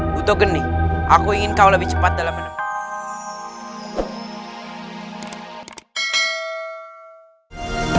buto geni aku ingin kau lebih cepat dalam menemukan